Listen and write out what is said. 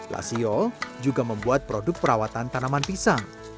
lasio juga membuat produk perawatan tanaman pisang